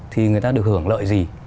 thì người ta được hưởng lợi gì